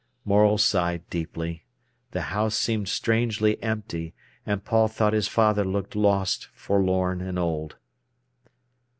Morel sighed deeply. The house seemed strangely empty, and Paul thought his father looked lost, forlorn, and old.